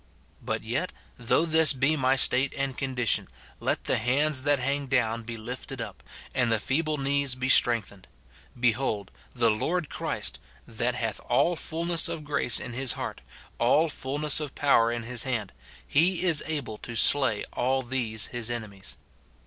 But yet, though this be my state and condition, let the hands that hang down be lifted up, and the feeble knees be strength ened.* Behold, the Lord Christ, that hath all fulness of grace in his heart, all fulness of power in his hand, he is able to slay all these his enemies.